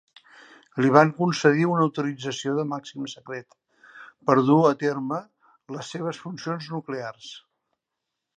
Li van concedir una autorització de màxim secret per dur a terme les seves funcions nuclears.